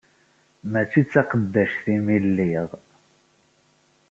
Mačči d taqeddact-im i lliɣ.